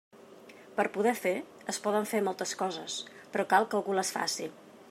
Per poder fer, es poden fer moltes coses, però cal que algú les faci.